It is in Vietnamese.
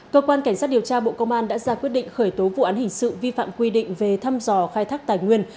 cơ quan cảnh sát điều tra bộ công an đã ra quyết định khởi tố vụ án hình sự vi phạm quy định về thăm dò khai thác tài nguyên